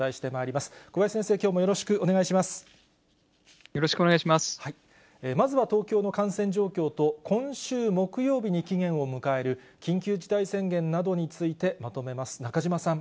まずは東京の感染状況と、今週木曜日に期限を迎える緊急事態宣言などについてまとめます。